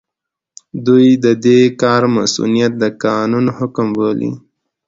دوی د دې کار مصؤنيت د قانون حکم بولي.